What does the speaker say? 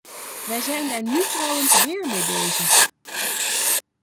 Wij zijn daar nu trouwens weer mee bezig.